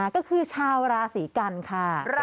ก็คือชาวราศีกันค่ะ